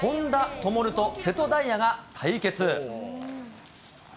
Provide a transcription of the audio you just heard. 本多灯と瀬戸大也が対決。